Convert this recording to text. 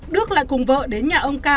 đức lại cùng vợ đến nhà ông ca